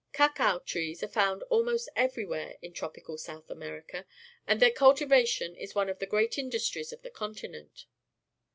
Ca cao trees are found almost everywhere in trop ical South .America, and their cultivation is one of the great industries of the continent.